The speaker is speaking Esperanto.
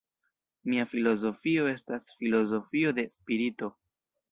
Mia filozofio estas filozofio de spirito.